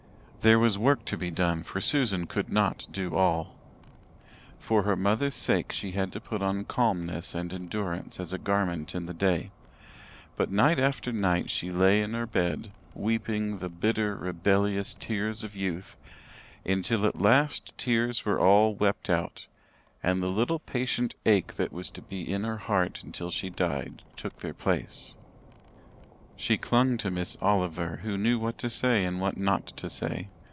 There was work to be done, for Susan could not do all. For her mother's sake she had to put on calmness and endurance as a garment in the day; but night after night she lay in her bed, weeping the bitter rebellious tears of youth until at last tears were all wept out and the little patient ache that was to be in her heart until she died took their place. She clung to Miss Oliver, who knew what to say and what not to say.